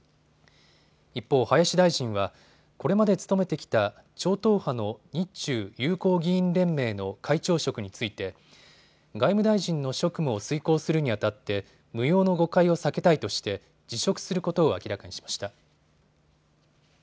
一方、林大臣はこれまで務めてきた超党派の日中友好議員連盟の会長職について外務大臣の職務を遂行するにあたって無用の誤解を避けたいとして辞職することを明らかにしました。